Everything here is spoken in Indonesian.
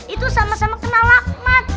itu sama sama kenal lakmat